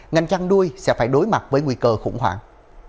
ngành chăn nuôi sẽ phải đối mặt với nguy cơ khủng hoảng